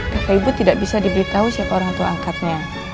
kakak ibu tidak bisa diberitahu siapa orang tua angkatnya